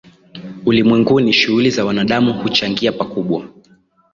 ulimwenguni shughuli za wanadamu huchangia pakubwa